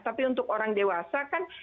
tapi untuk orang dewasa kan